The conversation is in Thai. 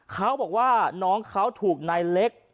เขาบอกว่าน้องเขาถูกนายเล็ก